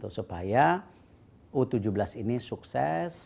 supaya u tujuh belas ini sukses